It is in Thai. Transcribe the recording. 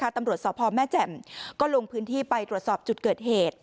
ตำรวจสพแม่แจ่มก็ลงพื้นที่ไปตรวจสอบจุดเกิดเหตุ